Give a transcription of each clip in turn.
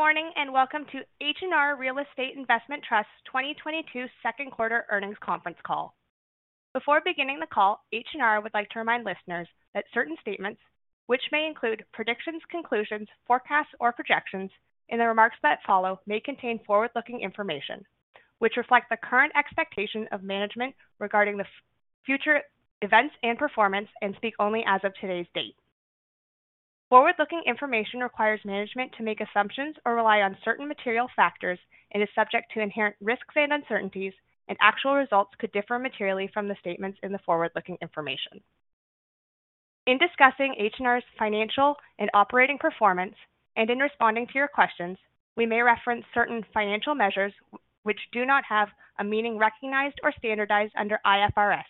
Good morning, and welcome to H&R Real Estate Investment Trust's 2022 Q2, earnings conference call. Before beginning the call, H&R would like to remind listeners that certain statements, which may include predictions, conclusions, forecasts, or projections in the remarks that follow may contain forward-looking information, which reflect the current expectation of management regarding the future events and performance and speak only as of today's date. Forward-looking information requires management to make assumptions or rely on certain material factors and is subject to inherent risks and uncertainties, and actual results could differ materially from the statements in the forward-looking information. In discussing H&R's financial and operating performance and in responding to your questions, we may reference certain financial measures which do not have a meaning recognized or standardized under IFRS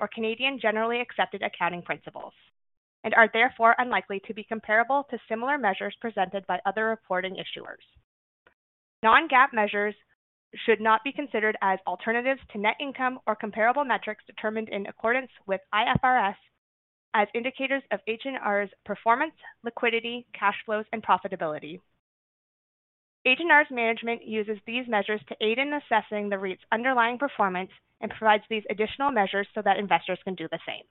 or Canadian generally accepted accounting principles and are therefore unlikely to be comparable to similar measures presented by other reporting issuers. Non-GAAP measures should not be considered as alternatives to net income or comparable metrics determined in accordance with IFRS as indicators of H&R's performance, liquidity, cash flows, and profitability. H&R's management uses these measures to aid in assessing the REIT's underlying performance and provides these additional measures so that investors can do the same.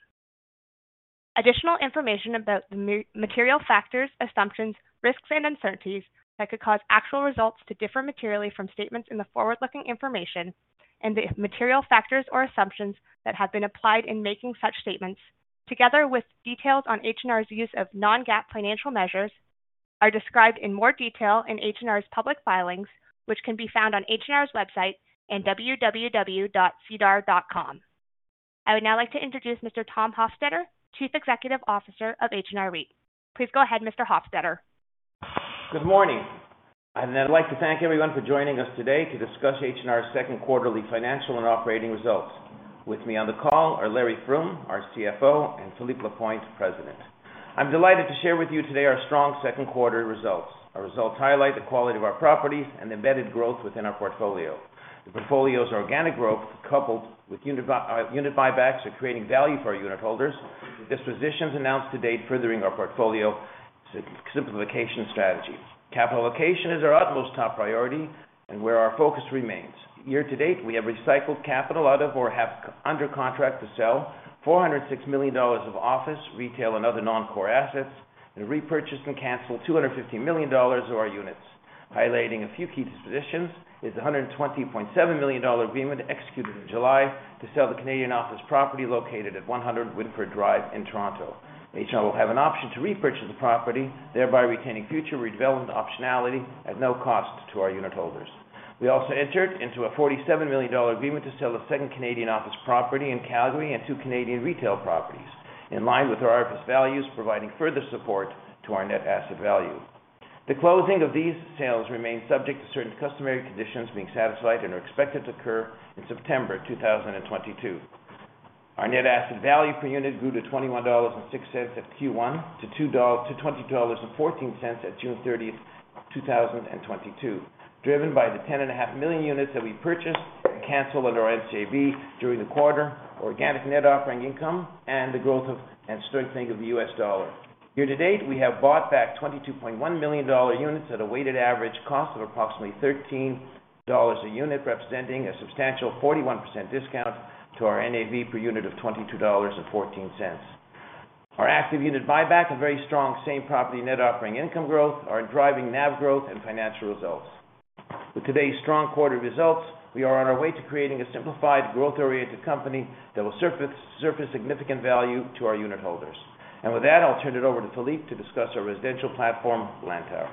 Additional information about the material factors, assumptions, risks, and uncertainties that could cause actual results to differ materially from statements in the forward-looking information and the material factors or assumptions that have been applied in making such statements, together with details on H&R's use of non-GAAP financial measures, are described in more detail in H&R's public filings, which can be found on H&R's website and www.sedar.com. I would now like to introduce Mr. Tom Hofstedter, Chief Executive Officer of H&R REIT. Please go ahead, Mr. Hofstedter. Good morning, I'd like to thank everyone for joining us today to discuss H&R's second quarterly financial and operating results. With me on the call are Larry Froom, our CFO, and Philippe Lapointe, President. I'm delighted to share with you today our strong Q2 results. Our results highlight the quality of our properties and the embedded growth within our portfolio. The portfolio's organic growth, coupled with unit buybacks, are creating value for our unitholders. Dispositions announced to date, furthering our portfolio simplification strategy. Capital allocation is our utmost top priority and where our focus remains. Year to date, we have recycled capital out of or have under contract to sell 406 million dollars of office, retail, and other non-core assets and repurchased and canceled 250 million dollars of our units. Highlighting a few key dispositions is the 120.7 million dollar agreement executed in July to sell the Canadian office property located at 100 Wynford Drive in Toronto. H&R will have an option to repurchase the property, thereby retaining future redevelopment optionality at no cost to our unitholders. We also entered into a 47 million dollar agreement to sell the second Canadian office property in Calgary and two Canadian retail properties in line with our office values, providing further support to our net asset value. The closing of these sales remains subject to certain customary conditions being satisfied and are expected to occur in September 2022. Our net asset value per unit grew to 21.06 dollars at Q1 to 20.14 dollars at June 30, 2022, driven by the 10.5 million units that we purchased and canceled under NCIB during the quarter, organic net operating income, and the growth of and strengthening of the US dollar. Year to date, we have bought back 22.1 million units at a weighted average cost of approximately 13 dollars a unit, representing a substantial 41% discount to our NAV per unit of 22.14 dollars. Our active unit buyback and very strong same-property net operating income growth are driving NAV growth and financial results. With today's strong quarter results, we are on our way to creating a simplified, growth-oriented company that will surface significant value to our unitholders. With that, I'll turn it over to Philippe to discuss our residential platform, Lantower.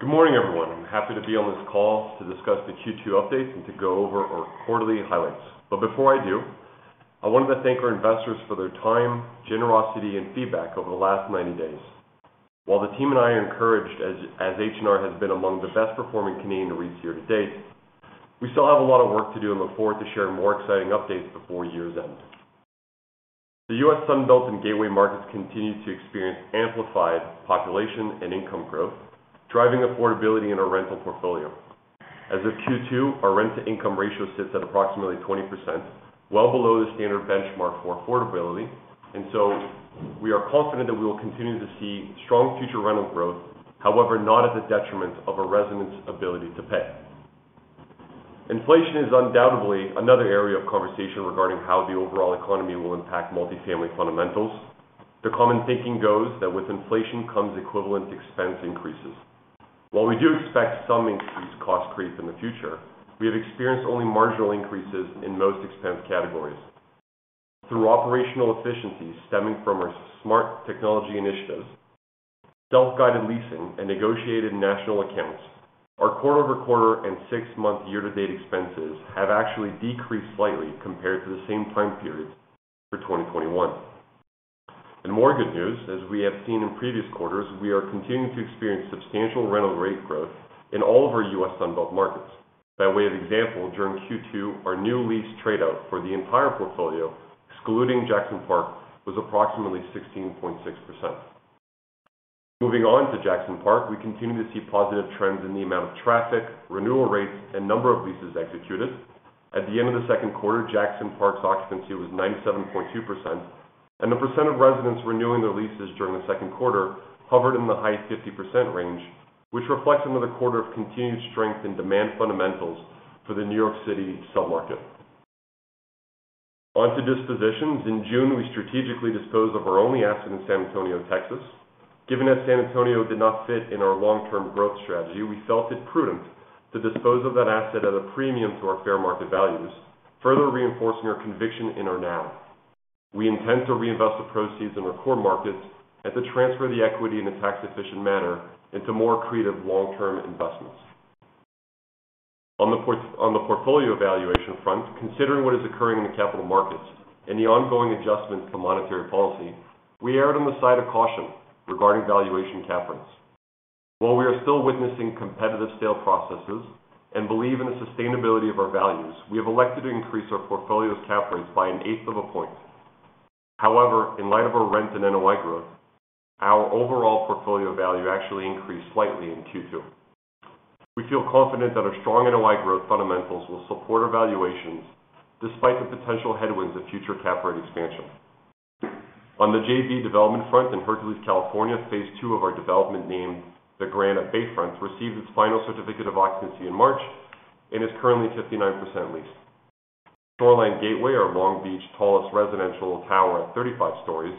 Good morning, everyone. I'm happy to be on this call to discuss the Q2 updates and to go over our quarterly highlights. Before I do, I wanted to thank our investors for their time, generosity, and feedback over the last 90 days. While the team and I are encouraged as H&R has been among the best-performing Canadian REITs year to date, we still have a lot of work to do and look forward to sharing more exciting updates before year's end. The U.S. Sunbelt and Gateway markets continue to experience amplified population and income growth, driving affordability in our rental portfolio. As of Q2, our rent-to-income ratio sits at approximately 20%, well below the standard benchmark for affordability, and so we are confident that we will continue to see strong future rental growth, however, not at the detriment of a resident's ability to pay. Inflation is undoubtedly another area of conversation regarding how the overall economy will impact multifamily fundamentals. The common thinking goes that with inflation comes equivalent expense increases. While we do expect some increased cost creeps in the future, we have experienced only marginal increases in most expense categories. Through operational efficiencies stemming from our smart technology initiatives, self-guided leasing, and negotiated national accounts, our quarter-over-quarter and six-month year-to-date expenses have actually decreased slightly compared to the same time periods for 2021. More good news, as we have seen in previous quarters, we are continuing to experience substantial rental rate growth in all of our U.S. Sunbelt markets. By way of example, during Q2, our new lease trade out for the entire portfolio, excluding Jackson Park, was approximately 16.6%. Moving on to Jackson Park, we continue to see positive trends in the amount of traffic, renewal rates, and number of leases executed. At the end of Q2, Jackson Park's occupancy was 97.2%. The percent of residents renewing their leases during Q2 hovered in the high 50% range, which reflects another quarter of continued strength in demand fundamentals for the New York City rental market. On to dispositions. In June, we strategically disposed of our only asset in San Antonio, Texas. Given that San Antonio did not fit in our long-term growth strategy, we felt it prudent to dispose of that asset at a premium to our fair market values, further reinforcing our conviction in our NAV. We intend to reinvest the proceeds in our core markets and to transfer the equity in a tax-efficient manner into more accretive long-term investments. On the portfolio evaluation front, considering what is occurring in the capital markets and the ongoing adjustments to monetary policy, we erred on the side of caution regarding valuation cap rates. While we are still witnessing competitive sale processes and believe in the sustainability of our values, we have elected to increase our portfolio's cap rates by an eighth of a point. However, in light of our rent and NOI growth, our overall portfolio value actually increased slightly in Q2. We feel confident that our strong NOI growth fundamentals will support our valuations despite the potential headwinds of future cap rate expansion. On the JV development front in Hercules, California, phase two of our development, named The Grand at Bayfront, received its final certificate of occupancy in March and is currently 59% leased. Shoreline Gateway, our Long Beach tallest residential tower at 35 stories,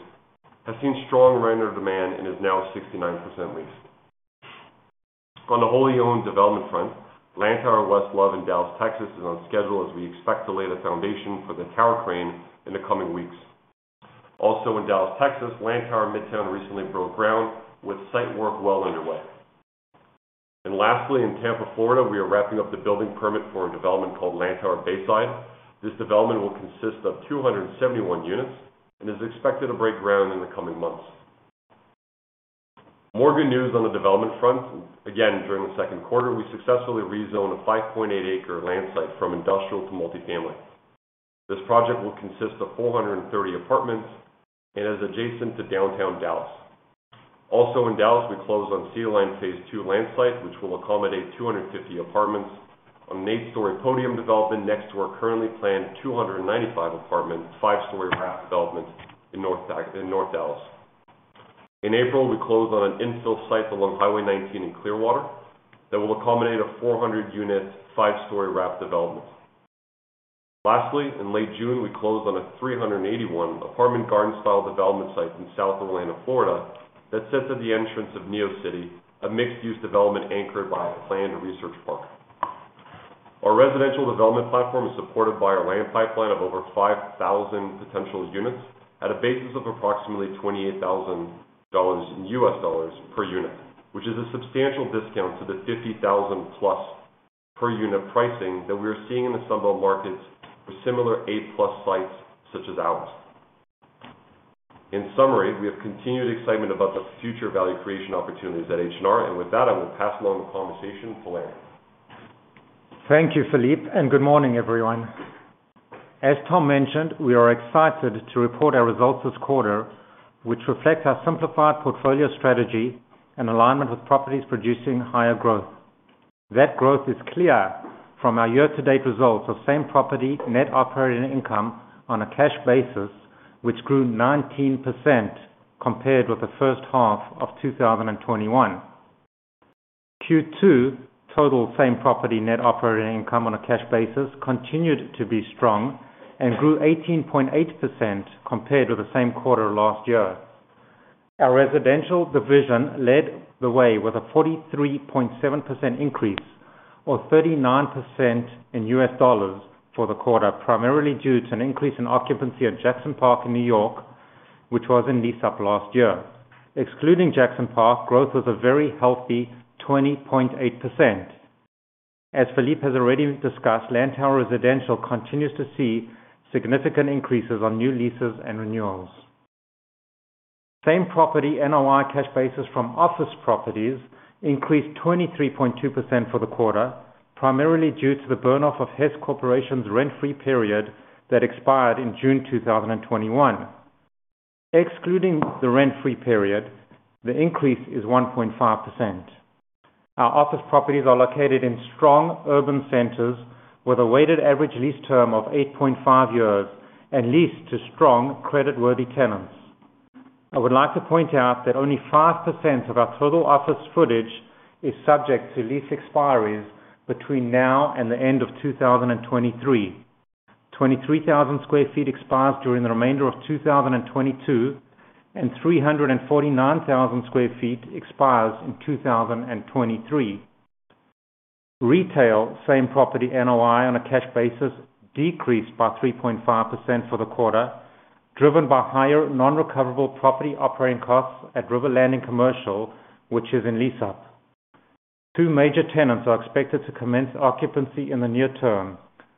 has seen strong renter demand and is now 69% leased. On the wholly owned development front, Lantower West Love in Dallas, Texas is on schedule as we expect to lay the foundation for the tower crane in the coming weeks. Also, in Dallas, Texas, Lantower Midtown recently broke ground with site work well underway. Lastly, in Tampa, Florida, we are wrapping up the building permit for a development called Lantower Bayside. This development will consist of 271 units and is expected to break ground in the coming months. More good news on the development front. Again, during Q2, we successfully rezoned a 5.8-acre land site from industrial to multifamily. This project will consist of 430 apartments and is adjacent to downtown Dallas. Also, in Dallas, we closed on C Line phase two land site, which will accommodate 250 apartments on an eight-story podium development next to our currently planned 295-apartment, five-story wrap development in North Dallas. In April, we closed on an infill site along Highway 19 in Clearwater that will accommodate a 400-unit, five-story wrap development. Lastly, in late June, we closed on a 381-apartment garden-style development site in South Atlanta, Florida that sits at the entrance of NeoCity, a mixed-use development anchored by a planned research park. Our residential development platform is supported by our land pipeline of over 5,000 potential units at a basis of approximately $28,000 in US dollars per unit, which is a substantial discount to the 50,000+ per-unit pricing that we are seeing in the Sunbelt markets for similar A+ sites such as ours. In summary, we have continued excitement about the future value creation opportunities at H&R. With that, I will pass along the conversation to Larry. Thank you, Philippe, and good morning, everyone. As Tom mentioned, we are excited to report our results this quarter, which reflects our simplified portfolio strategy and alignment with properties producing higher growth. That growth is clear from our year-to-date results of same-property net operating income on a cash basis, which grew 19% compared with the first half of 2021. Q2 total same-property net operating income on a cash basis continued to be strong and grew 18.8% compared with the same quarter last year. Our residential division led the way with a 43.7% increase or 39% in US dollars for the quarter, primarily due to an increase in occupancy at Jackson Park in New York, which was in lease-up last year. Excluding Jackson Park, growth was a very healthy 20.8%. As Philippe has already discussed, Lantower Residential continues to see significant increases on new leases and renewals. Same property NOI cash basis from office properties increased 23.2% for the quarter, primarily due to the burn-off of Hess Corporation's rent-free period that expired in June 2021. Excluding the rent-free period, the increase is 1.5%. Our office properties are located in strong urban centers with a weighted average lease term of 8.5 years and leased to strong creditworthy tenants. I would like to point out that only 5% of our total office footage is subject to lease expiries between now and the end of 2023. 23,000 sq ft expires during the remainder of 2022, and 349,000 sq ft expires in 2023. Retail same-property NOI on a cash basis decreased by 3.5% for the quarter, driven by higher non-recoverable property operating costs at River Landing Commercial, which is in lease up. Two major tenants are expected to commence occupancy in the near term.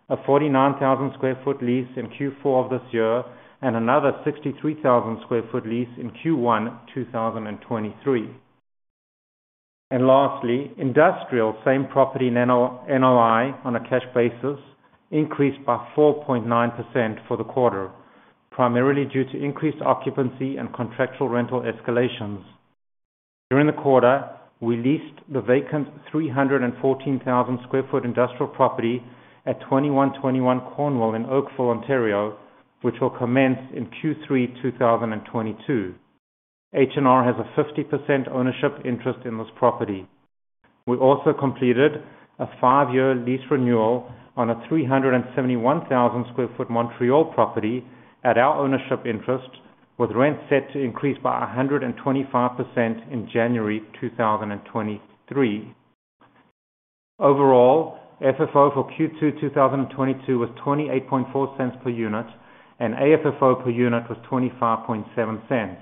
A 49,000 sq ft lease in Q4 of this year and another 63,000 sq ft lease in Q1 2023. Industrial same-property NOI on a cash basis increased by 4.9% for the quarter, primarily due to increased occupancy and contractual rental escalations. During the quarter, we leased the vacant 314,000 sq ft industrial property at 2121 Cornwall in Oakville, Ontario, which will commence in Q3 2022. H&R has a 50% ownership interest in this property. We also completed a five year lease renewal on a 371,000 sq ft Montreal property at our ownership interest, with rent set to increase by 125% in January 2023. Overall, FFO for Q2 2022 was 0.284 per unit, and AFFO per unit was 0.257.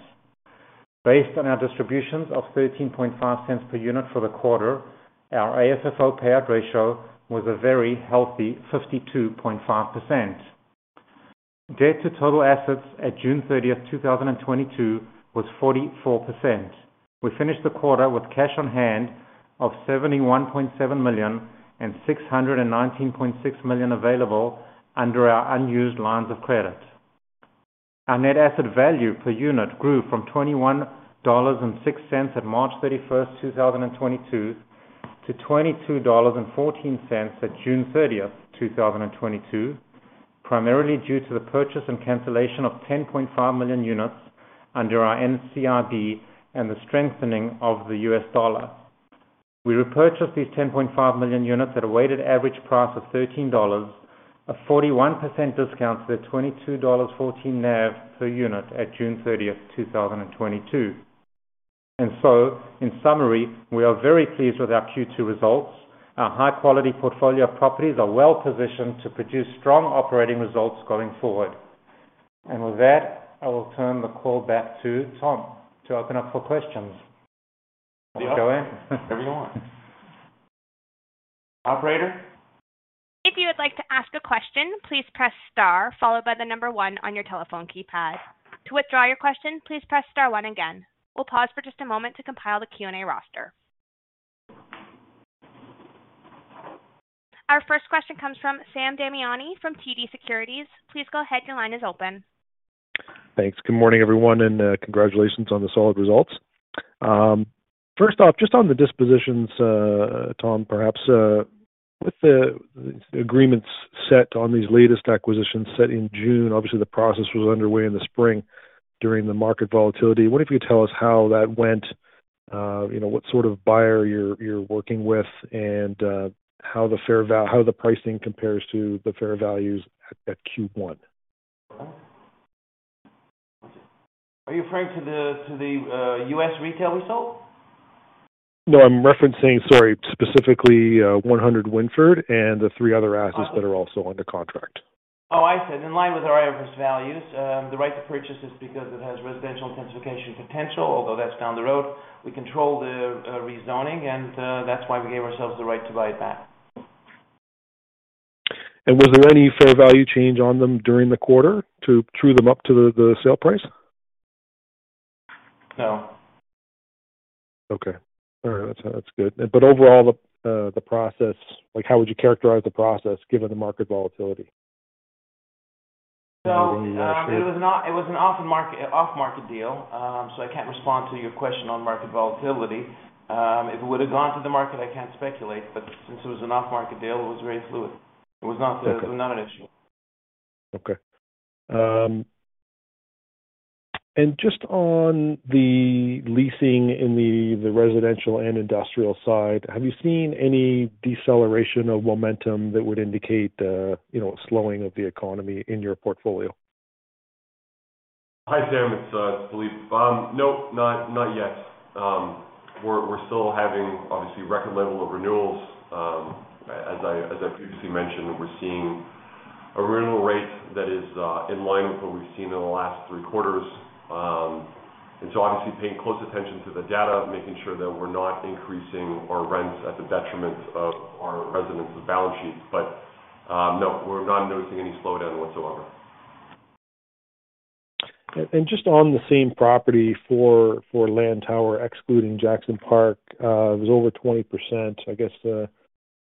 Based on our distributions of 0.135 per unit for the quarter, our AFFO payout ratio was a very healthy 52.5%. Debt to total assets at June 30, 2022 was 44%. We finished the quarter with cash on hand of 71.7 million and 619.6 million available under our unused lines of credit. Our net asset value per unit grew from 21.06 dollars at March 31st, 2022 to 22.14 dollars at June 30th, 2022, primarily due to the purchase and cancellation of 10.5 million units under our NCIB and the strengthening of the US dollar. We repurchased these 10.5 million units at a weighted average price of 13 dollars, a 41% discount to the 22.14 dollars NAV per unit at June 30th, 2022. In summary, we are very pleased with our Q2 results. Our high-quality portfolio properties are well positioned to produce strong operating results going forward. With that, I will turn the call back to Tom to open up for questions. Go in. Wherever you want. Operator. If you would like to ask a question, please press star followed by the number one on your telephone keypad. To withdraw your question, please press star one again. We'll pause for just a moment to compile the Q&A roster. Our first question comes from Sam Damiani from TD Securities. Please go ahead. Your line is open. Thanks. Good morning, everyone, and congratulations on the solid results. First off, just on the dispositions, Tom, perhaps with the agreements set on these latest acquisitions set in June, obviously the process was underway in the spring during the market volatility. What if you tell us how that went? You know, what sort of buyer you're working with and how the pricing compares to the fair values at Q1. Are you referring to the U.S. retail result? No, I'm referencing, sorry, specifically, 100 Wynford and the three other assets that are also under contract. Oh, I see. In line with our IFRS values, the right to purchase is because it has residential intensification potential, although that's down the road. We control the rezoning and, that's why we gave ourselves the right to buy it back. Was there any fair value change on them during the quarter to true them up to the sale price? No. Okay. All right. That's good. Overall, the process like how would you characterize the process given the market volatility? It was an off-market deal. I can't respond to your question on market volatility. If it would have gone to the market, I can't speculate, but since it was an off-market deal, it was very fluid. Okay. It was not an issue. Okay. And just on the leasing in the residential and industrial side, have you seen any deceleration of momentum that would indicate, you know, slowing of the economy in your portfolio? Hi, Sam. It's Philippe. No, not yet. We're still having, obviously, record level of renewals. As I previously mentioned, we're seeing a renewal rate that is in line with what we've seen in the last three quarters. Obviously paying close attention to the data, making sure that we're not increasing our rents at the detriment of our residents' balance sheets. No, we're not noticing any slowdown whatsoever. Just on the same-property for Lantower, excluding Jackson Park, it was over 20%, I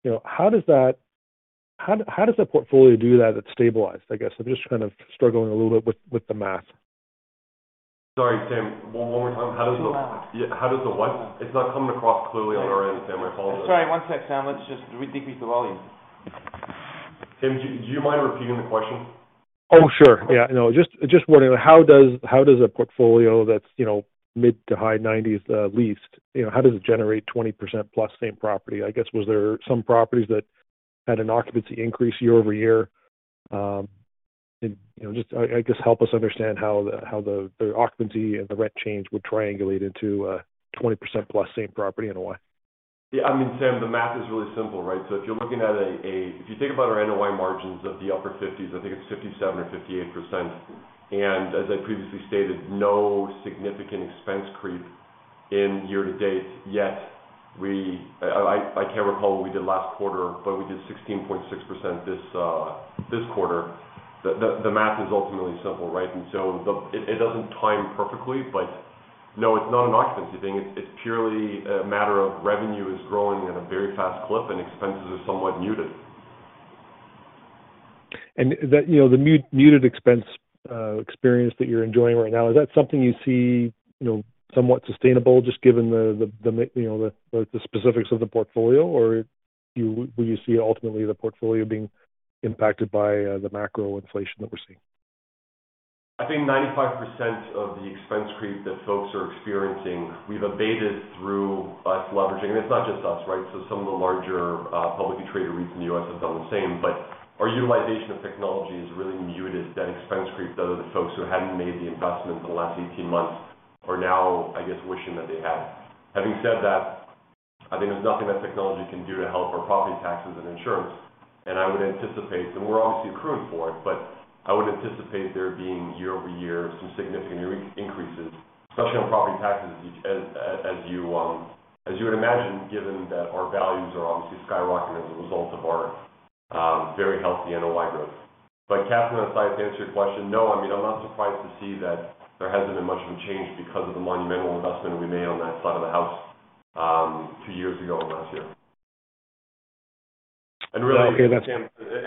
guess. You know, how does that portfolio do that? It's stabilized, I guess. I'm just kind of struggling a little bit with the math. Sorry, Sam. One more time. How does the- Too loud. Yeah, how does the what? It's not coming across clearly on our end, Sam. I apologize. Sorry, one sec, Sam. Let's just decrease the volume. Sam, do you mind repeating the question? Oh, sure. Yeah, no, just wondering how does a portfolio that's, you know, mid- to high-90s leased, you know, how does it generate 20%+ same-property? I guess, was there some properties that had an occupancy increase year-over-year? You know, just I guess help us understand how the occupancy and the rent change would triangulate into a 20%+ same-property NOI. Yeah, I mean, Sam, the math is really simple, right? If you're looking at, if you think about our NOI margins of the upper fifties, I think it's 57% or 58%. As I previously stated, no significant expense creep year to date. Yet, I can't recall what we did last quarter, but we did 16.6% this quarter. The math is ultimately simple, right? It doesn't time perfectly. No, it's not an occupancy thing. It's purely a matter of revenue growing at a very fast clip and expenses somewhat muted. That, you know, the muted expense experience that you're enjoying right now, is that something you see, you know, somewhat sustainable just given the specifics of the portfolio? Or will you see ultimately the portfolio being impacted by the macro inflation that we're seeing? I think 95% of the expense creep that folks are experiencing, we've abated through us leveraging. It's not just us, right? Some of the larger publicly traded REITs in the US have done the same. Our utilization of technology has really muted that expense creep that are the folks who hadn't made the investment in the last 18 months are now, I guess, wishing that they had. Having said that, I think there's nothing that technology can do to help our property taxes and insurance. I would anticipate, and we're obviously accruing for it, but I would anticipate there being year-over-year some significant re-increases, especially on property taxes, as you would imagine, given that our values are obviously skyrocketing as a result of our very healthy NOI growth. Kathleen, aside, to answer your question, no, I mean, I'm not surprised to see that there hasn't been much of a change because of the monumental investment we made on that side of the house, two years ago and last year. Yeah. Okay.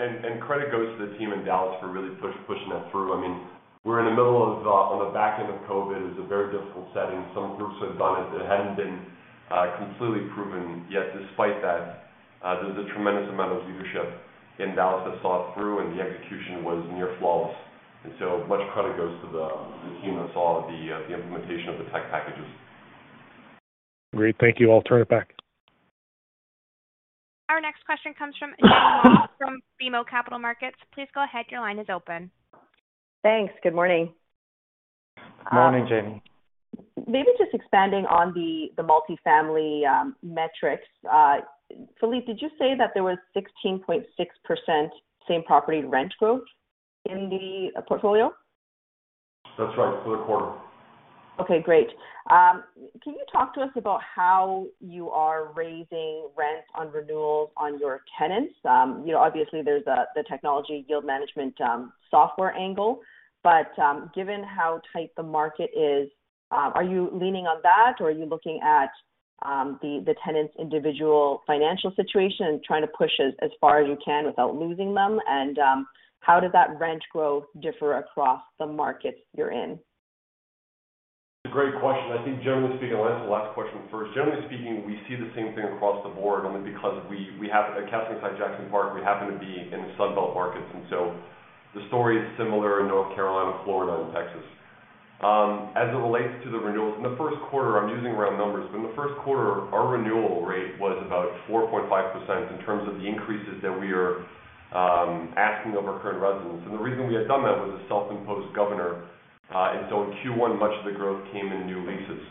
Really, credit goes to the team in Dallas for really pushing that through. I mean, on the back end of COVID, it was a very difficult setting. Some groups had done it. It hadn't been completely proven yet. Despite that, there's a tremendous amount of leadership in Dallas that saw it through, and the execution was near flawless. So much credit goes to the team that saw the implementation of the tech packages. Great. Thank you. I'll turn it back. Our next question comes from Jenny Ma from BMO Capital Markets. Please go ahead. Your line is open. Thanks. Good morning. Morning, Jenny. Maybe just expanding on the multifamily metrics. Philippe, did you say that there was 16.6% same-property rent growth in the portfolio? That's right. For the quarter. Okay, great. Can you talk to us about how you are raising rent on renewals on your tenants? You know, obviously there's the technology yield management software angle, but given how tight the market is, are you leaning on that or are you looking at the tenant's individual financial situation and trying to push as far as you can without losing them? How does that rent growth differ across the markets you're in? It's a great question. I think generally speaking, I'll answer the last question first. Generally speaking, we see the same thing across the board only because we have. At Jackson Park, we happen to be in Sun Belt markets, and so the story is similar in North Carolina, Florida, and Texas. As it relates to the renewals, in Q1, I'm using round numbers, but in Q1, our renewal rate was about 4.5% in terms of the increases that we are asking of our current residents. The reason we had done that was a self-imposed governor. In Q1, much of the growth came in new leases.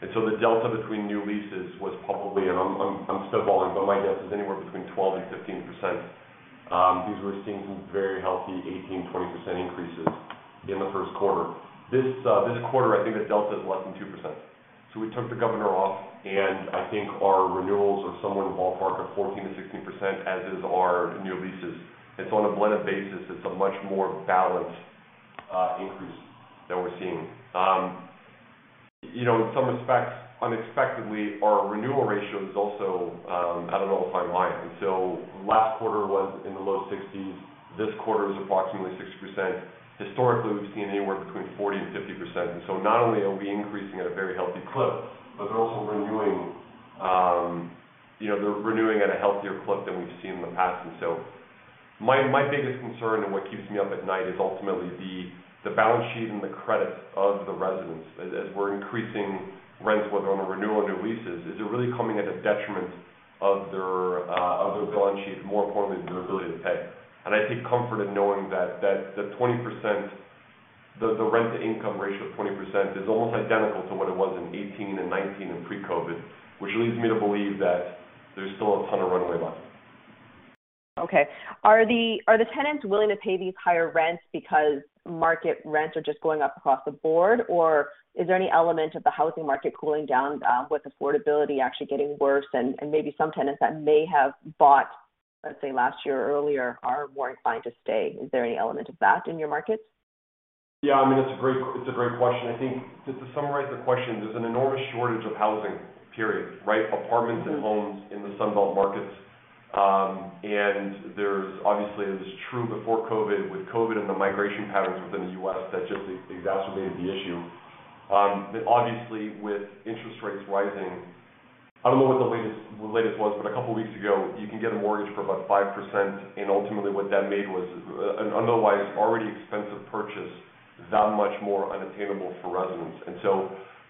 The delta between new leases was probably, and I'm stumbling, but my guess is anywhere between 12%-15%. These were seeing some very healthy 18-20% increases in Q1. This quarter, I think the delta is less than 2%. We took the governor off, and I think our renewals are somewhere in the ballpark of 14%-16%, as is our new leases. On a blended basis, it's a much more balanced increase that we're seeing. You know, in some respects, unexpectedly, our renewal ratio is also, I don't know if I'm lying. Last quarter was in the low 60s. This quarter is approximately 6%. Historically, we've seen anywhere between 40% and 50%. Not only are we increasing at a very healthy clip, but they're also renewing, you know, they're renewing at a healthier clip than we've seen in the past. My biggest concern and what keeps me up at night is ultimately the balance sheet and the credit of the residents as we're increasing rents, whether on a renewal, new leases, is it really coming at a detriment of their balance sheet, more importantly, their ability to pay. I take comfort in knowing that the 20% rent-to-income ratio of 20% is almost identical to what it was in 2018 and 2019 in pre-COVID, which leads me to believe that there's still a ton of runway left. Are the tenants willing to pay these higher rents because market rents are just going up across the board? Or is there any element of the housing market cooling down, with affordability actually getting worse and maybe some tenants that may have bought, let's say, last year or earlier are more inclined to stay? Is there any element of that in your markets? Yeah, I mean, it's a great question. I think just to summarize the question, there's an enormous shortage of housing, period. Right? Apartments and homes in the Sun Belt markets. And there's obviously it was true before COVID, with COVID and the migration patterns within the U.S. that just exacerbated the issue. Obviously with interest rates rising, I don't know what the latest was, but a couple weeks ago, you can get a mortgage for about 5%, and ultimately what that made was an otherwise already expensive purchase that much more unattainable for residents.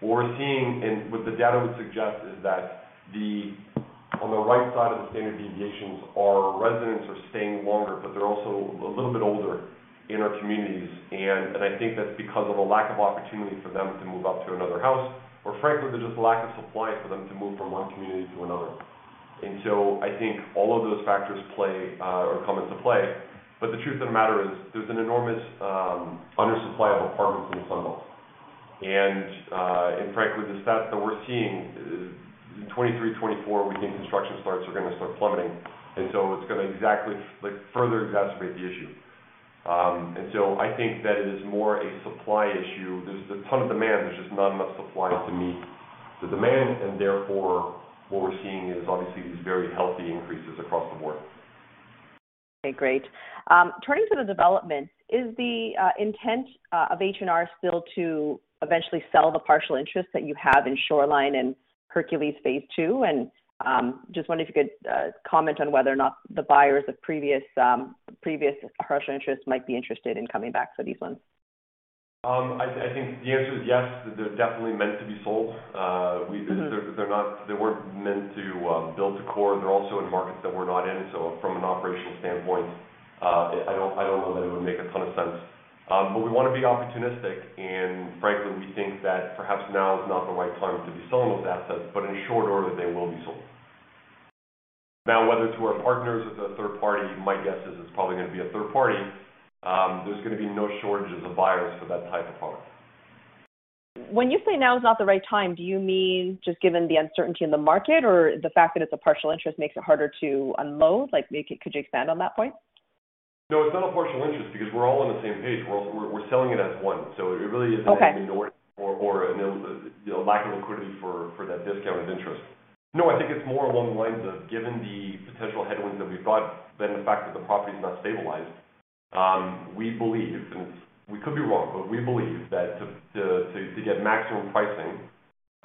What we're seeing and what the data would suggest is that the On the right side of the standard deviations, our residents are staying longer, but they're also a little bit older in our communities, and I think that's because of a lack of opportunity for them to move up to another house or frankly, there's just a lack of supply for them to move from one community to another. I think all of those factors play, or come into play. The truth of the matter is there's an enormous undersupply of apartments in the Sun Belt. Frankly, the stats that we're seeing in 2023, 2024, we think construction starts are gonna start plummeting. It's gonna exactly, like, further exacerbate the issue. I think that it is more a supply issue. There's a ton of demand. There's just not enough supply to meet the demand, and therefore what we're seeing is obviously these very healthy increases across the board. Okay, great. Turning to the development, is the intent of H&R still to eventually sell the partial interest that you have in Shoreline and Hercules phase two? Just wondering if you could comment on whether or not the buyers of previous partial interests might be interested in coming back for these ones? I think the answer is yes, they're definitely meant to be sold. Mm-hmm. They weren't meant to build to core. They're also in markets that we're not in. From an operational standpoint, I don't know that it would make a ton of sense. We wanna be opportunistic. Frankly, we think that perhaps now is not the right time to be selling those assets, but in short order, they will be sold. Now, whether to our partners or to a third party, my guess is it's probably gonna be a third party. There's gonna be no shortage of buyers for that type of product. When you say now is not the right time, do you mean just given the uncertainty in the market or the fact that it's a partial interest makes it harder to unload? Could you expand on that point? No, it's not a partial interest because we're all on the same page. We're selling it as one, so it really isn't. Okay. You know, lack of liquidity for that discounted interest. No, I think it's more along the lines of given the potential headwinds that we've got than the fact that the property's not stabilized. We believe we could be wrong, but we believe that to get maximum pricing,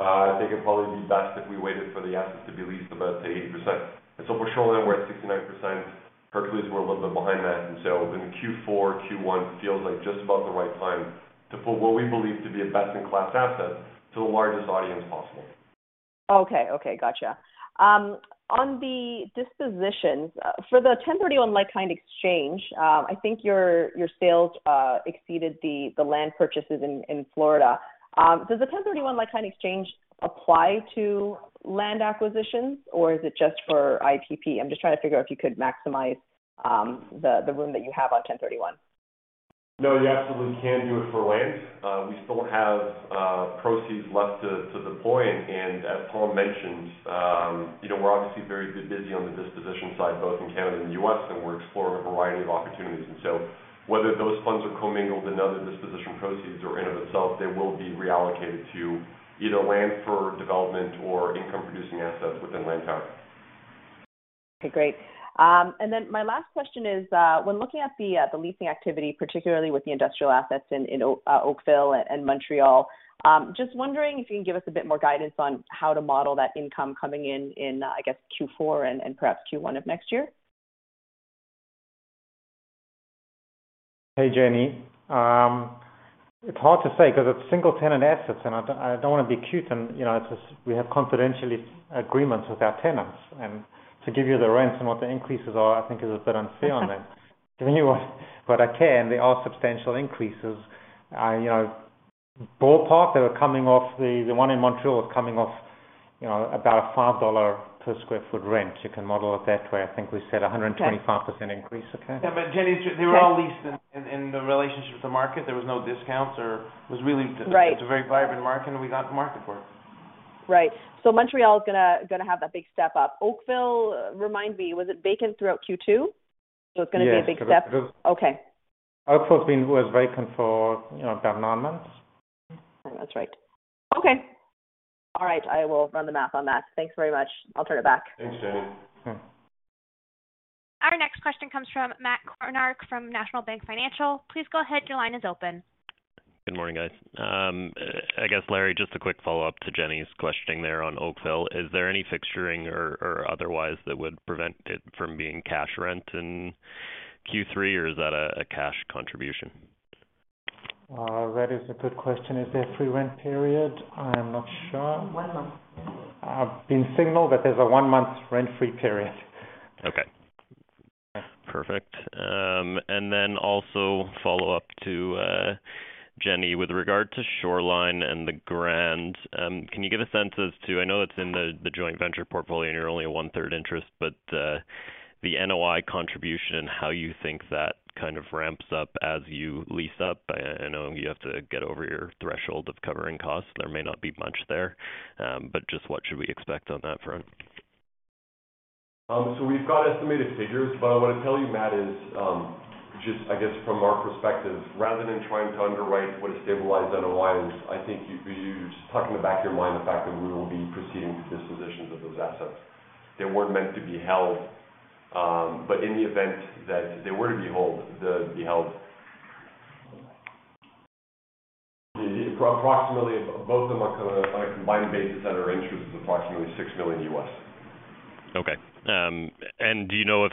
I think it'd probably be best if we waited for the assets to be leased to about 80%. For Shoreline, we're at 69%. Hercules, we're a little bit behind that. In Q4, Q1 feels like just about the right time to put what we believe to be a best-in-class asset to the largest audience possible. Okay. Gotcha. On the dispositions, for the Section 1031 like-kind exchange, I think your sales exceeded the land purchases in Florida. Does the Section 1031 like-kind exchange apply to land acquisitions, or is it just for IPP? I'm just trying to figure out if you could maximize the room that you have on Section 1031. No, you absolutely can do it for land. We still have proceeds left to deploy. As Paul mentioned, you know, we're obviously very busy on the disposition side, both in Canada and U.S., and we're exploring a variety of opportunities. Whether those funds are commingled with other disposition proceeds or in and of itself, they will be reallocated to either land for development or income-producing assets within Lantower. Okay, great. My last question is, when looking at the leasing activity, particularly with the industrial assets in Oakville and Montreal, just wondering if you can give us a bit more guidance on how to model that income coming in, I guess, Q4 and perhaps Q1 of next year. Hey, Jenny. It's hard to say 'cause it's single tenant assets, and I don't wanna be cute. You know, it's just we have confidential agreements with our tenants. To give you the rents and what the increases are, I think is a bit unfair on them. Okay. Given you what I can, they are substantial increases. You know, ballpark, The one in Montreal is coming off, you know, about a 5 dollar per sq ft rent. You can model it that way. I think we said 125- Okay. % increase. Okay. Yeah. Jenny, they were all leased in relation to the market. There was no discounts or was really- Right. It's a very vibrant market, and we got the market for it. Right. Montreal is gonna have that big step up. Oakville, remind me, was it vacant throughout Q2? Yes. It's gonna be a big step. It is. Okay. Oakville's was vacant for, you know, about nine months. That's right. Okay. All right. I will run the math on that. Thanks very much. I'll turn it back. Thanks, Jenny. Hmm. Our next question comes from Matt Kornack from National Bank Financial. Please go ahead. Your line is open. Good morning, guys. I guess, Larry, just a quick follow-up to Jenny's questioning there on Oakville. Is there any fixturing or otherwise that would prevent it from being cash rent in Q3, or is that a cash contribution? That is a good question. Is there a free rent period? I am not sure. One month. I've been signaled that there's a one-month rent-free period. Okay. Perfect. Also follow-up to Jenny. With regard to Shoreline and The Grand, can you give a sense as to I know it's in the joint venture portfolio, and you're only a one-third interest, but the NOI contribution, how you think that kind of ramps up as you lease up? I know you have to get over your threshold of covering costs. There may not be much there, but just what should we expect on that front? We've got estimated figures, but what I'll tell you, Matt, is, just I guess from our perspective, rather than trying to underwrite what a stabilized NOI is, I think you just tuck in the back of your mind the fact that we will be proceeding with dispositions of those assets. They weren't meant to be held, but in the event that they were to be held. Approximately both of them on a combined basis that our interest is approximately $6 million. Okay. Do you know if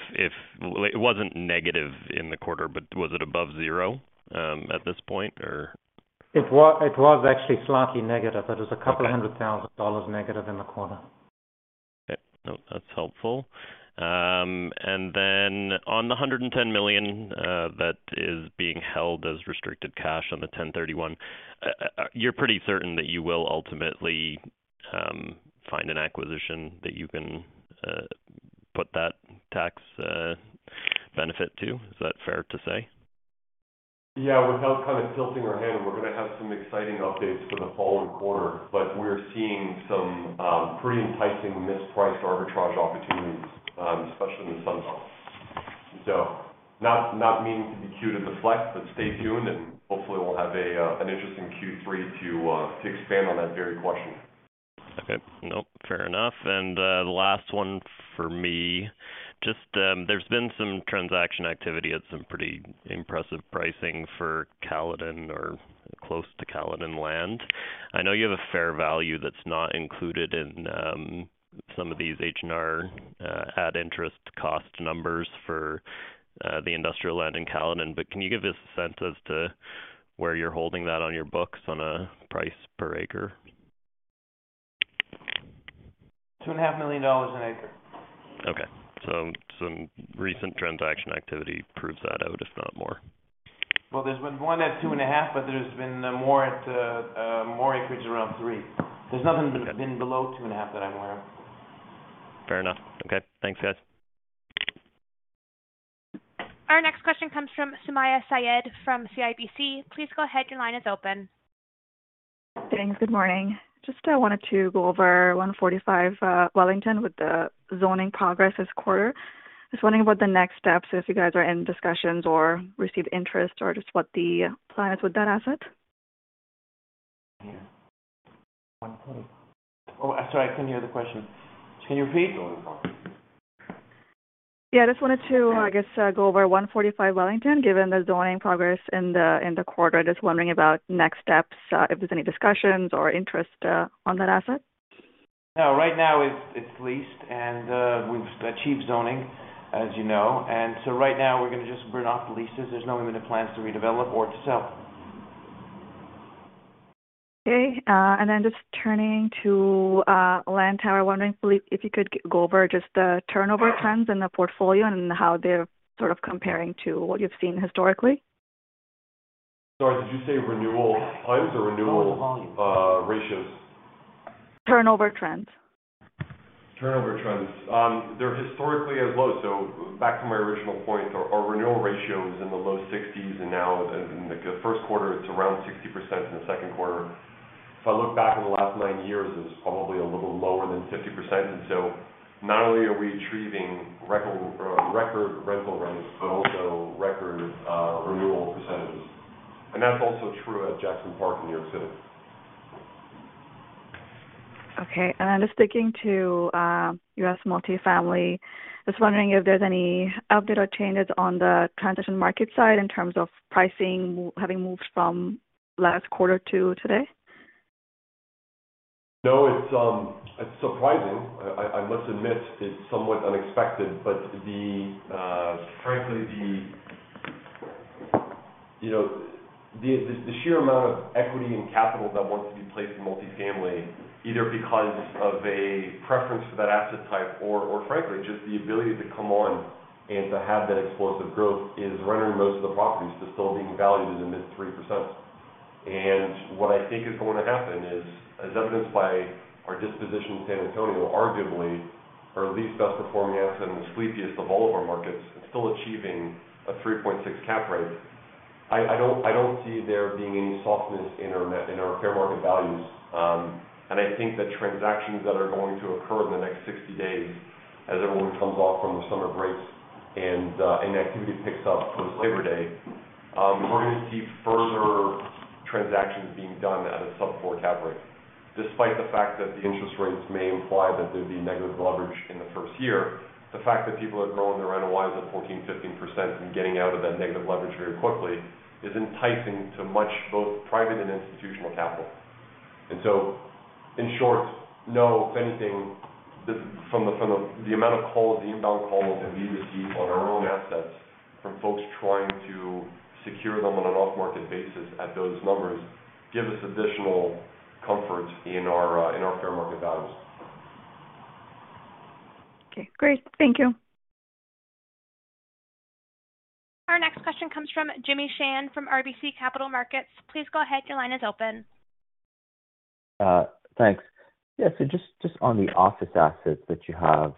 it wasn't negative in the quarter, but was it above zero at this point or? It was actually slightly negative. Okay. It was a couple hundred thousand dollars negative in the quarter. Okay. No, that's helpful. Then on the 110 million that is being held as restricted cash on the Section 1031, you're pretty certain that you will ultimately find an acquisition that you can put that tax benefit to? Is that fair to say? Yeah. Without kind of tilting our hand, we're gonna have some exciting updates for the following quarter, but we're seeing some pretty enticing mispriced arbitrage opportunities, especially in the Sunbelt. Not meaning to be cute as a flex, but stay tuned and hopefully we'll have an interesting Q3 to expand on that very question. Okay. Nope. Fair enough. The last one for me, just, there's been some transaction activity at some pretty impressive pricing for Caledon or close to Caledon land. I know you have a fair value that's not included in some of these H&R adjusted interest cost numbers for the industrial land in Caledon, but can you give us a sense as to where you're holding that on your books on a price per acre? 2.5 million dollars an acre. Okay. Some recent transaction activity proves that out, if not more. Well, there's been one at 2.5%, but there's been more acreage around 3%. Okay. There's nothing that's been below 2.5 that I'm aware of. Fair enough. Okay. Thanks, guys. Our next question comes from Sumayya Syed from CIBC. Please go ahead. Your line is open. Thanks. Good morning. Just wanted to go over 145 Wellington with the zoning progress this quarter. Just wondering what the next steps, if you guys are in discussions or received interest or just what the plan is with that asset. Oh, I'm sorry. I couldn't hear the question. Can you repeat? Yeah. Just wanted to, I guess, go over 145 Wellington, given the zoning progress in the quarter. Just wondering about next steps, if there's any discussions or interest, on that asset. No. Right now, it's leased, and we've achieved zoning, as you know. Right now we're gonna just burn off the leases. There's no immediate plans to redevelop or to sell. Just turning to Lantower, wondering if you could go over just the turnover trends in the portfolio and how they're sort of comparing to what you've seen historically. Sorry, did you say renewal items or renewal? Renewal volumes. ratios? Turnover trends. Turnover trends. They're historically as low. Back to my original point, our renewal ratio is in the low 60s, and now in Q1 it's around 60%. In Q2., if i look back over the last nine years, it's probably a little lower than 50%. Not only are we achieving record rental rates, but also record renewal percentages. That's also true at Jackson Park in New York City. Okay. Just sticking to U.S. multifamily, just wondering if there's any update or changes on the transaction market side in terms of pricing momentum having moved from last quarter to today. No, it's surprising. I must admit, it's somewhat unexpected, but frankly, you know, the sheer amount of equity and capital that wants to be placed in multifamily, either because of a preference for that asset type or frankly, just the ability to come on and to have that explosive growth is rendering most of the properties that's still being valued in the mid 3%. What I think is going to happen is, as evidenced by our disposition in San Antonio, arguably our least best performing asset in the sleepiest of all of our markets, it's still achieving a 3.6 cap rate. I don't see there being any softness in our fair market values. I think the transactions that are going to occur in the next 60 days as everyone comes off from their summer breaks and activity picks up post-Labor Day, we're gonna see further transactions being done at a sub-4 cap rate. Despite the fact that the interest rates may imply that there'd be negative leverage in the first year, the fact that people are growing their rental-wise at 14, 15% and getting out of that negative leverage very quickly is enticing to both private and institutional capital. In short, no. If anything, the amount of calls, the inbound calls that we receive on our own assets from folks trying to secure them on an off-market basis at those numbers give us additional comfort in our fair market values. Okay, great. Thank you. Our next question comes from Jimmy Shan from RBC Capital Markets. Please go ahead. Your line is open. Thanks. Yeah, just on the office assets that you have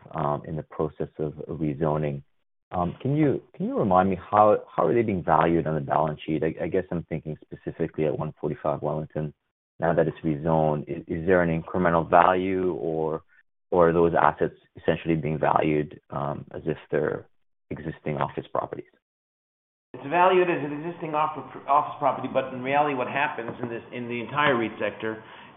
in the process of rezoning, can you remind me how are they being valued on the balance sheet? I guess I'm thinking specifically at 145 Wellington now that it's rezoned. Is there an incremental value or are those assets essentially being valued as if they're existing office properties? It's valued as an existing office property, but in reality, what happens in the entire REIT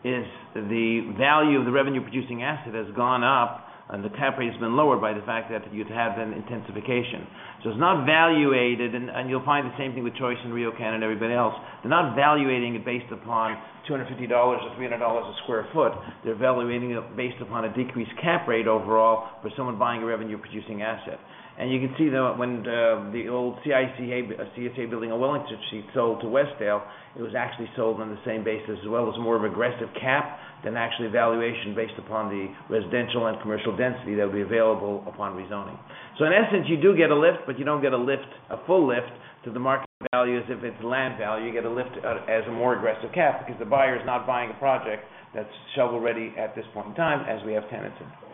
sector is the value of the revenue producing asset has gone up and the cap rate has been lowered by the fact that you'd have an intensification. It's not valuated, and you'll find the same thing with Choice and RioCan and everybody else. They're not valuating it based upon 250 dollars or 300 dollars a sq ft. They're valuating it based upon a decreased cap rate overall for someone buying a revenue producing asset. You can see when the old CICA-CSA building on Wellington she sold to Westdale, it was actually sold on the same basis as well as more aggressive cap than actually a valuation based upon the residential and commercial density that would be available upon rezoning. In essence, you do get a lift, but you don't get a lift, a full lift to the market value as if it's land value. You get a lift, as a more aggressive cap because the buyer is not buying a project that's shovel-ready at this point in time, as we have tenants in place.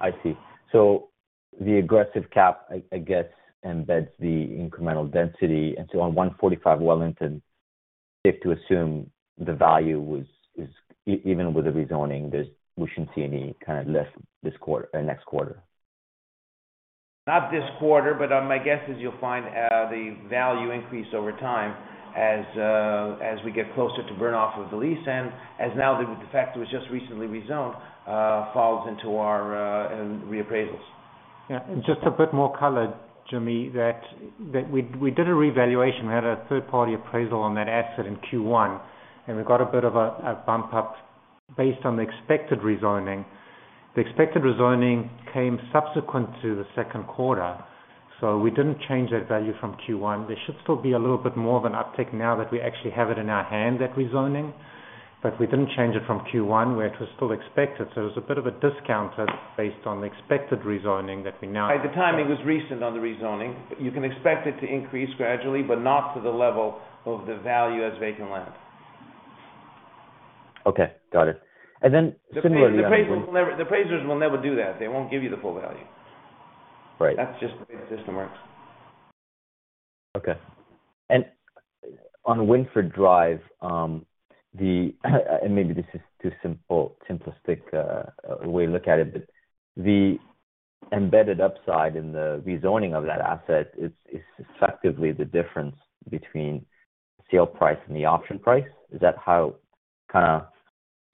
I see. The aggressive cap, I guess, embeds the incremental density. On 145 Wellington. Safe to assume the value was, is even with the rezoning, we shouldn't see any kind of lift this quarter or next quarter? Not this quarter, but my guess is you'll find the value increase over time as we get closer to burn off of the lease. As now the fact it was just recently rezoned falls into our reappraisals. Yeah. Just a bit more color, Jimmy, that we did a revaluation. We had a third party appraisal on that asset in Q1, and we got a bit of a bump up based on the expected rezoning. The expected rezoning came subsequent to Q2, so we didn't change that value from Q1. There should still be a little bit more of an uptick now that we actually have it in our hand, that rezoning. But we didn't change it from Q1, where it was still expected. It was a bit of a discounted based on the expected rezoning that we now expect. At the time it was recent on the rezoning. You can expect it to increase gradually, but not to the level of the value as vacant land. Okay. Got it. The appraisers will never do that. They won't give you the full value. Right. That's just the way the system works. Okay. On Wynford Drive, maybe this is too simple, simplistic way to look at it, but the embedded upside in the rezoning of that asset is effectively the difference between sale price and the option price. Is that how kinda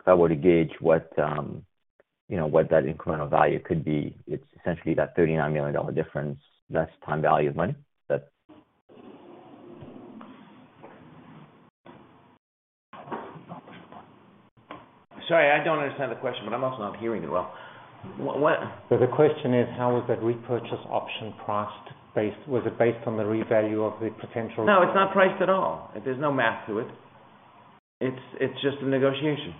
if I were to gauge what, you know, what that incremental value could be? It's essentially that 39 million dollar difference, less time value of money that Sorry, I don't understand the question, but I'm also not hearing you well. The question is, how is that repurchase option priced? Was it based on the revalue of the potential? No, it's not priced at all. There's no math to it. It's just a negotiation.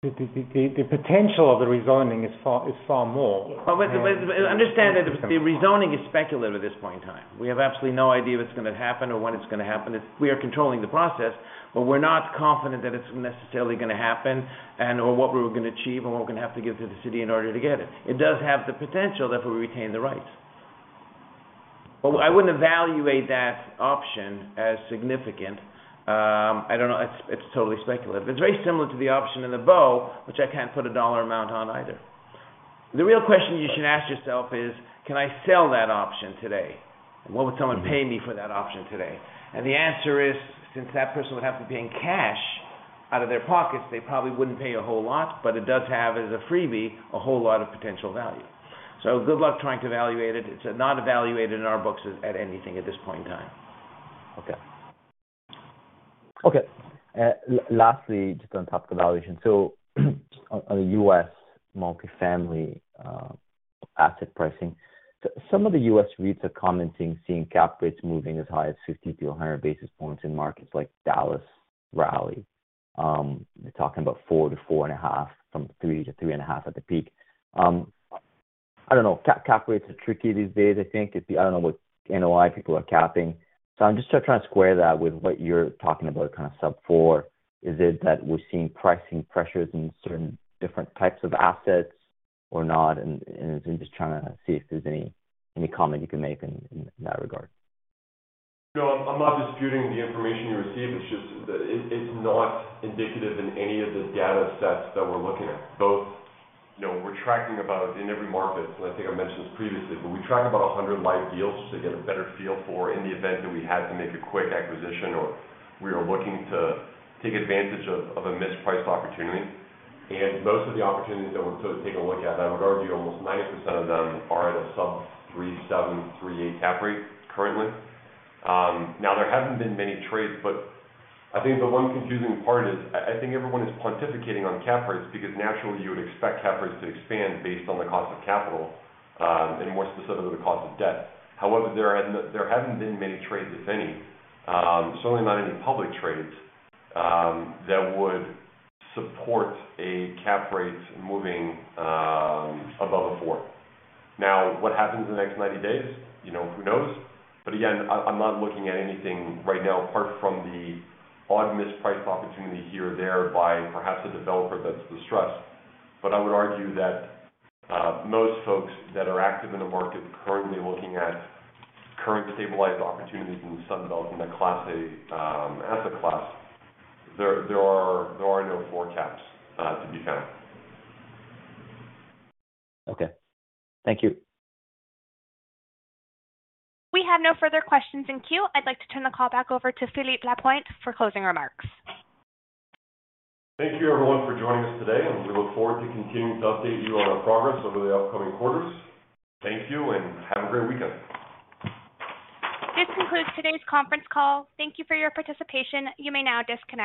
The potential of the rezoning is far more. Understand that the rezoning is speculative at this point in time. We have absolutely no idea what's gonna happen or when it's gonna happen. It's, we are controlling the process, but we're not confident that it's necessarily gonna happen and/or what we're gonna achieve and what we're gonna have to give to the city in order to get it. It does have the potential, therefore, we retain the rights. I wouldn't evaluate that option as significant. I don't know. It's totally speculative. It's very similar to the option in the Bow, which I can't put a dollar amount on either. The real question you should ask yourself is, can I sell that option today? What would someone pay me for that option today? The answer is, since that person would have to pay in cash out of their pockets, they probably wouldn't pay a whole lot, but it does have, as a freebie, a whole lot of potential value. Good luck trying to evaluate it. It's not evaluated in our books at anything at this point in time. Lastly, just on top of the valuation. On U.S. multifamily asset pricing, some of the U.S. REITs are commenting, seeing cap rates moving as high as 50-100 basis points in markets like Dallas, Raleigh. They're talking about 4-4.5, from 3-3.5 at the peak. I don't know, cap rates are tricky these days I think. I don't know what NOI people are capping. I'm just trying to square that with what you're talking about kind of sub-4. Is it that we're seeing pricing pressures in certain different types of assets or not? I'm just trying to see if there's any comment you can make in that regard. No, I'm not disputing the information you received. It's just that it's not indicative in any of the data sets that we're looking at. You know, we're tracking about in every market, so I think I mentioned this previously, but we track about 100 live deals to get a better feel for, in the event that we had to make a quick acquisition or we are looking to take advantage of a mispriced opportunity. Most of the opportunities that we're sort of taking a look at, I would argue almost 90% of them are at a sub-3.7-3.8 cap rate currently. Now there haven't been many trades, but I think the one confusing part is I think everyone is pontificating on cap rates because naturally you would expect cap rates to expand based on the cost of capital, and more specifically the cost of debt. However, there haven't been many trades, if any, certainly not any public trades, that would support a cap rate moving above 4%. Now, what happens in the next 90 days? You know, who knows? But again, I'm not looking at anything right now apart from the odd mispriced opportunity here or there by perhaps a developer that's distressed. I would argue that most folks that are active in the market currently looking at current stabilized opportunities in the Sun Belt, in the Class A asset class, there are no low cap rates to be found. Okay. Thank you. We have no further questions in queue. I'd like to turn the call back over to Philippe Lapointe for closing remarks. Thank you everyone for joining us today, and we look forward to continuing to update you on our progress over the upcoming quarters. Thank you and have a great weekend. This concludes today's conference call. Thank you for your participation. You may now disconnect.